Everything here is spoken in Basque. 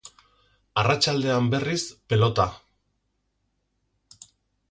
Arratsaldean, berriz, pelota.